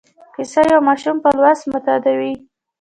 کیسه یو ماشوم په لوست معتادوي.